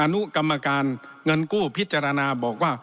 อนุกรรมการเงินกู้พิจารณาบอกว่า